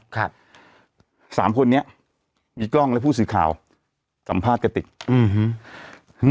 ครับสามคนนี้มีกล้องและผู้สื่อข่าวสัมภาษณ์กระติกอืม